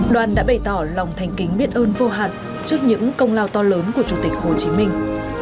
đoàn đã bày tỏ lòng thành kính biết ơn vô hạn trước những công lao to lớn của chủ tịch hồ chí minh